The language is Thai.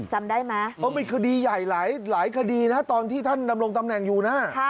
จำได้มีคดีใหญ่หลายคดีตอนที่ท่านลงตำแหน่งอยู่นะ